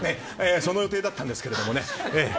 その予定だったんですけどね。